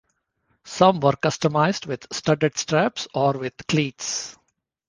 Some were customized with studded straps or with cleats.